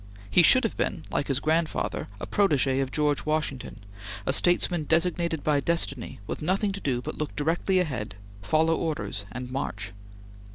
He should have been, like his grandfather, a protege of George Washington, a statesman designated by destiny, with nothing to do but look directly ahead, follow orders, and march.